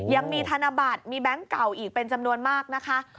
ยังมีธนบัตรมีแบงค์เก่าอีกเป็นจำนวนมากนะคะ